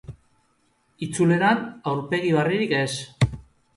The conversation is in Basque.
Itzuleran, aurpegi berririk ez.